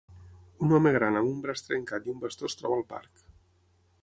Un home gran amb un braç trencat i un bastó es troba al parc.